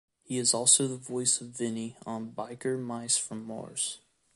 He is also the voice of Vinnie on "Biker Mice from Mars".